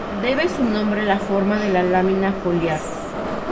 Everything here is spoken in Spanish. Debe su nombre la forma de la lámina foliar.